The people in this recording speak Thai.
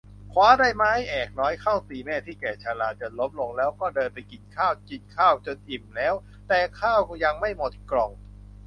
คว้าได้ไม้แอกน้อยเข้าตีแม่ที่แก่ชราจนล้มลงแล้วก็เดินไปกินข้าว กินข้าวจนอิ่มแล้วแต่ข้าวยังไม่หมดกล่อง